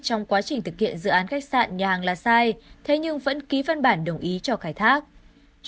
trong quá trình thực hiện dự án khách sạn nhà hàng là sai thế nhưng vẫn ký văn bản đồng ý cho khai thác